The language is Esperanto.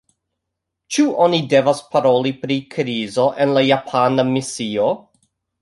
Ĉu oni devas paroli pri krizo en la japana misio?